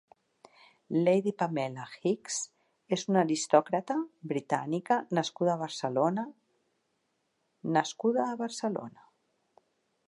Lady Pamela Hicks és una aristòcrata britànica nascuda a Barcelona nascuda a Barcelona.